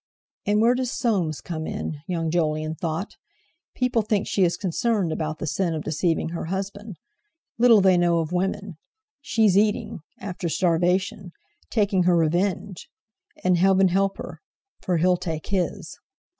"And where does Soames come in?" young Jolyon thought. "People think she is concerned about the sin of deceiving her husband! Little they know of women! She's eating, after starvation—taking her revenge! And Heaven help her—for he'll take his."